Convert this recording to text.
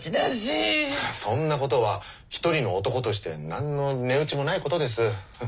そんなことは一人の男として何の値打ちもないことです。